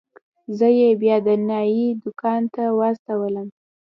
زه يې بيا د نايي دوکان ته واستولم.